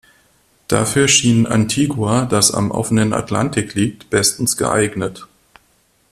Dafür schien Antigua, das am offenen Atlantik liegt, bestens geeignet.